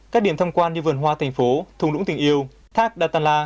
các điểm thăm quan như vườn hoa thành phố thùng lũng tình yêu thác đà tăn la